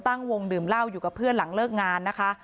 ตั้งวงดื่มเหล้าอยู่กับเพื่อนหลังเลิกงานนะคะ